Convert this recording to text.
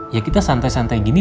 ya kita santai santai gini